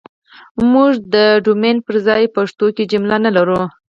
موږ ده ډومين پر ځاى په پښتو کې که جمله نه لرو